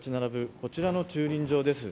こちらの駐輪場です。